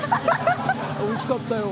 おいしかったよ。